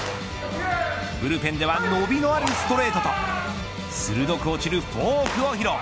ブルペンでは伸びのあるストレートと鋭く落ちるフォークを披露。